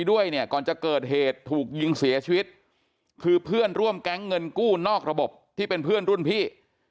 ด้วยเนี่ยก่อนจะเกิดเหตุถูกยิงเสียชีวิตคือเพื่อนร่วมแก๊งเงินกู้นอกระบบที่เป็นเพื่อนรุ่นพี่